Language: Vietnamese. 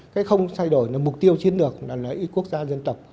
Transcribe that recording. cái không thay đổi là mục tiêu chiến được là lấy quốc gia dân tộc